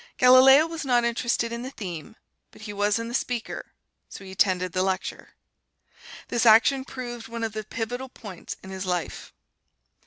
Galileo was not interested in the theme, but he was in the speaker, and so he attended the lecture. This action proved one of the pivotal points in his life.